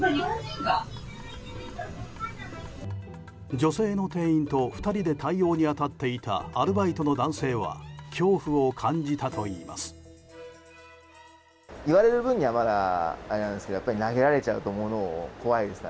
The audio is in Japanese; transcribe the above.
女性の店員と２人で対応に当たっていたアルバイトの男性は恐怖を感じたといいます。